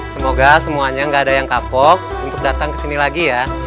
semoga semuanya gak ada yang kapok untuk datang ke sini lagi ya